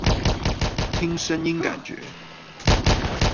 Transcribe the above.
聽聲音感覺